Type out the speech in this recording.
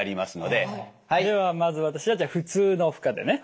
ではまず私はじゃあ普通の負荷でね。